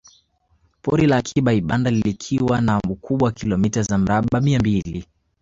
Pori la Akiba Ibanda likiwa na ukubwa wa kilomita za mraba mia mbili